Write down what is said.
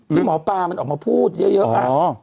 ที่หมอปลามันออกมาพูดเยอะ